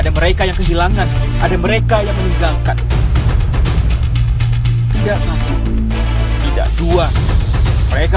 mereka hanya membuat diri mereka